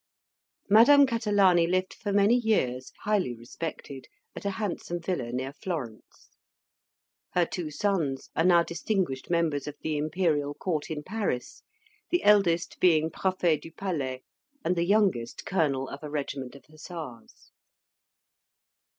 Madame Catalani lived for many years, highly respected, at a handsome villa near Florence. Her two sons are now distinguished members of the Imperial court in Paris; the eldest being Prefet du Palais, and the youngest colonel of a regiment of hussars.